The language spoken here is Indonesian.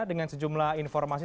dengan sejumlah informasi